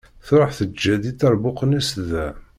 Truḥ teǧǧa-d iṭerbuqen-is da.